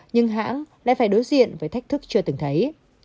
nhưng hãng lại phải đối diện với thách thức chưa từng thấy